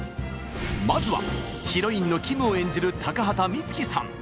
まずはヒロインのキムを演じる高畑充希さん。